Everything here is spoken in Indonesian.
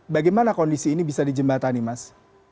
bagaimana kondisi ini bisa dijembatani mas